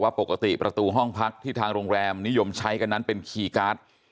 ไฟฟ้าตัดใช้อุปกรณ์กระแทกอย่างเดียว